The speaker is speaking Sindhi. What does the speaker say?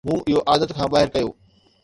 مون اهو عادت کان ٻاهر ڪيو